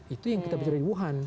itu yang kita bicara di wuhan